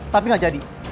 tapi gak jadi